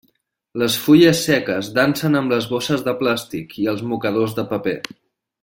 Les fulles seques dansen amb les bosses de plàstic i els mocadors de paper.